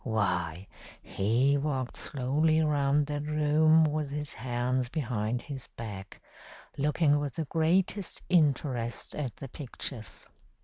Why, he walked slowly round that room with his hands behind his back, looking with the greatest interest at the pictures.